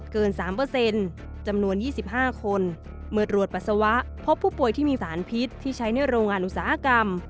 เกิน๓จำนวน๒๕คนเมื่อตรวจปัสสาวะพบผู้ป่วยที่มีสารพิษที่ใช้ในโรงงานอุตสาหกรรม